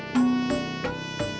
tidak ada yang bisa diberikan